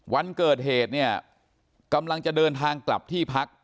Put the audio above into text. วันเกิดเหตุเนี่ยกำลังจะเดินทางกลับที่พัก